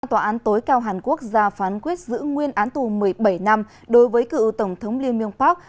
tòa án tối cao hàn quốc ra phán quyết giữ nguyên án tù một mươi bảy năm đối với cựu tổng thống lee myung park